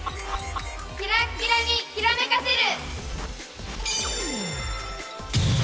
キラッキラにキラめかせる！